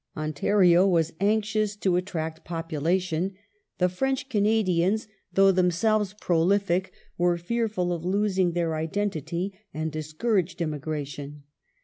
Ontario was anxious to attract population ; the French Canadians, though themselves prolific, were fearful of losing their identity, and discouraged immigration.